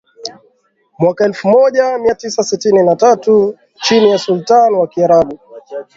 mwaka elfu moja mia tisa sitini na tatu chini ya Sultani wa Kiarabu